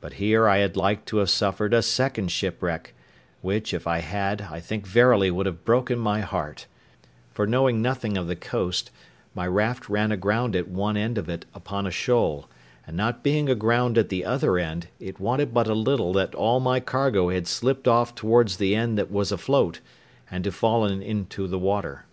But here I had like to have suffered a second shipwreck, which, if I had, I think verily would have broken my heart; for, knowing nothing of the coast, my raft ran aground at one end of it upon a shoal, and not being aground at the other end, it wanted but a little that all my cargo had slipped off towards the end that was afloat, and to fallen into the water.